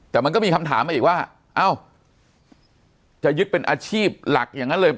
แต่มันก็มีคำถามมาอีกว่าเอ้าจะยึดเป็นอาชีพหลักอย่างนั้นเลย